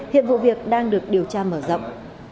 hiện vụ việc đang được điều tra mở rộng